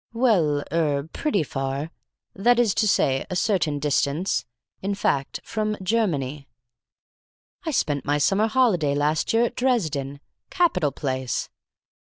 "Well er pretty far. That is to say, a certain distance. In fact, from Germany." "I spent my summer holiday last year at Dresden. Capital place!"